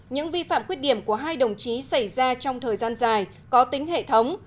những vi phạm khuyết điểm của hai đồng chí xảy ra trong thời gian dài có tính hệ thống